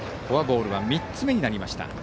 フォアボールは３つ目になりました。